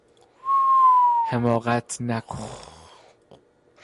حماقت نکن!